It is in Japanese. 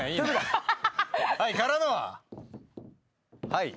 はい。